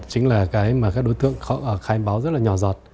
chính là cái mà các đối tượng khai báo rất là nhỏ giọt